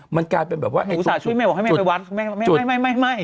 มันกลายเป็นแบบว่าอุตส่าห์แม่บอกให้แม่ไปวัดแม่ไม่ไม่